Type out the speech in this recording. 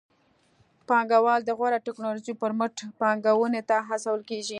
پانګوال د غوره ټکنالوژۍ پر مټ پانګونې ته هڅول کېږي.